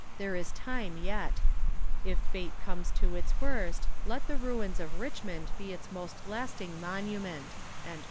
There is time yet. If fate comes to its worst, let the ruins of Richmond be its most lasting monument."